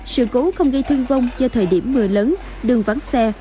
sự cố không gây thương vong do thời điểm mưa lớn đường vắng xe